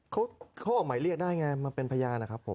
เขาออกหมายเรียกได้ไงมาเป็นพยานนะครับผม